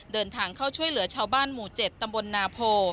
เดินทางเข้าช่วยเหลือชาวบ้านหมู่๗ตำบลนาโพ